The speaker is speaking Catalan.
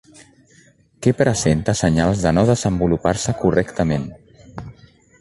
Que presenta senyals de no desenvolupar-se correctament.